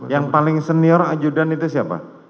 yang paling senior ajudan itu siapa